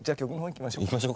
いきましょうか。